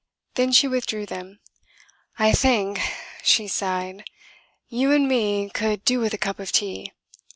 Then she withdrew them. "I think," she sighed, "you an' me could do with a cup of tea."